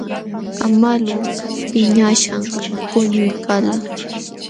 Amalu piñaśhqam puñuykalqa.